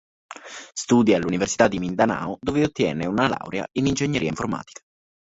Studia all'Università di Mindanao dove ottiene una laurea in ingegneria informatica.